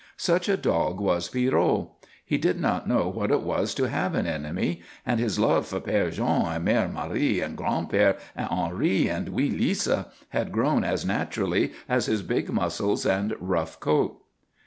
Such a dog was Pierrot. He did not know what it was to have an enemy, and his love for Père Jean and Mère Marie and Gran'père and Henri and wee Lisa had grown as naturally as his big muscles and rough coat.